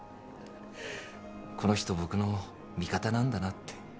この人僕の味方なんだなって